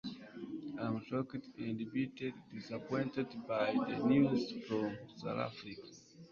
I am shocked and bitterly disappointed by the news from South Africa